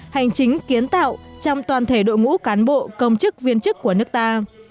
hành chính kiến tạo trong toàn thể đội ngũ cán bộ công chức viên chức của nước ta